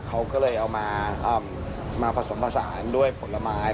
เขาก็เลยเอามาผสมผสานด้วยผลไม้